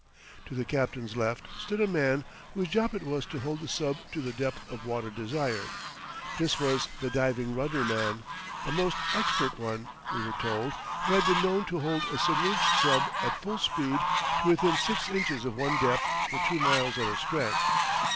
To the captain's left stood a man whose job it was to hold the sub to the depth of water desired. This was the diving rudder man, a most expert one, we were told, who had been known to hold a submerged sub at full speed to within six inches of one depth for two miles at a stretch.